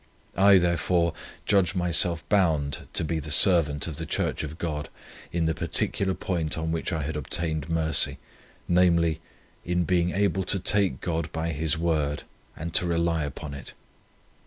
I, therefore, judged myself bound to be the servant of the Church of God, in the particular point on which I had obtained mercy: namely, in being able to take God by His word and to rely upon it.